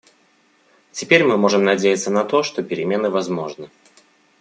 Теперь мы можем надеяться на то, что перемены возможны.